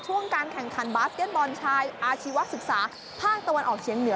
การแข่งขันบาสเก็ตบอลชายอาชีวศึกษาภาคตะวันออกเฉียงเหนือ